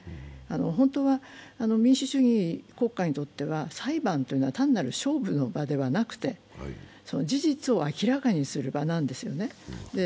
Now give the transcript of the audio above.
本当は民主主義国家にとっては裁判は単なる勝負の場ではなくて事実を明らかにする場なんですよね。